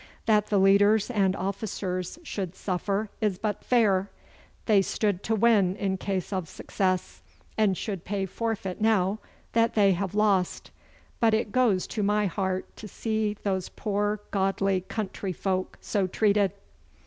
That the leaders and officers should suffer is but fair. They stood to win in case of success, and should pay forfeit now that they have lost. But it goes to my heart to see those poor godly country folk so treated.